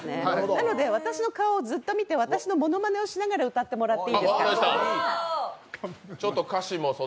なので私の顔をずっと見て、私のものまねをしながら歌ってもらっていいですか。